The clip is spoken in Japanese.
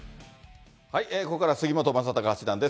ここからは杉本昌隆八段です。